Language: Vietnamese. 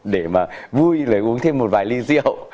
để mà vui là uống thêm một vài ly rượu